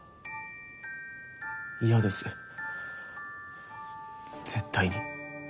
嫌です絶対に。